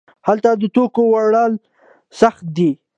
هلته د توکو وړل سخت دي.